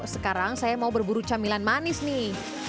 sekarang saya mau berburu camilan manis nih